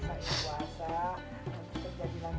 jangan puasa dulu